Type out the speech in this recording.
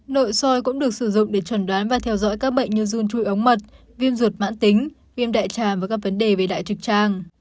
nội soi cũng được sử dụng để chuẩn đoán và theo dõi các bệnh như run chui ống mật viêm ruột mãn tính viêm đại trà và các vấn đề về đại trực tràng